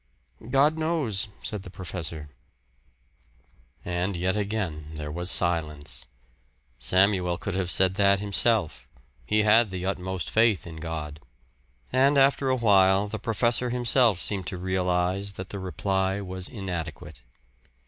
"God knows," said the professor. And yet again there was silence. Samuel could have said that himself he had the utmost faith in God. And after a while the professor himself seemed to realize that the reply was inadequate.